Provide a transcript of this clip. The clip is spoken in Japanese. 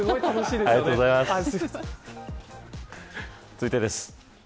続いてです。